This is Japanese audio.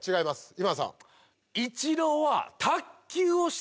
今田さん。